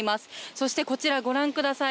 そしてこちらご覧ください。